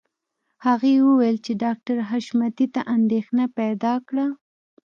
هغې وویل چې ډاکټر حشمتي ته اندېښنه پیدا کړه